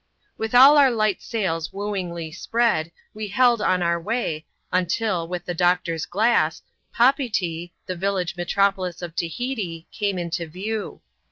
With all our light sails wooingly spread, we held on our way, until, with the doctor's glass, Papeetee, the village metropolis of Tahiti, came into view.